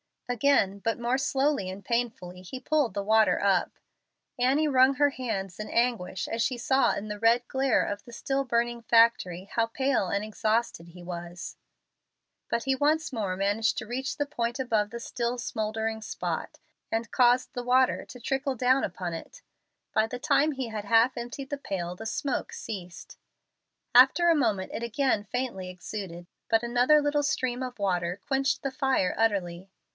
Again, but more slowly and painfully, he pulled the water up. Annie wrung her hands in anguish as she saw in the red glare of the still burning factory how pale and exhausted he was. But he once more managed to reach the point above the still smouldering spot, and caused the water to trickle down upon it. By the time he had half emptied the pail the smoke ceased. After a moment it again faintly exuded, but another little stream of water quenched the fire utterly.